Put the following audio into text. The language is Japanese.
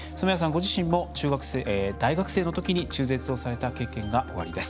ご自身も大学生のときに中絶をされた経験がおありです。